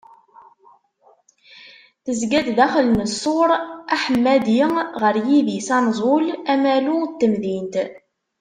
Tezga-d daxel n ssur aḥemmadi ɣer yidis Anẓul-Amalu n temdint.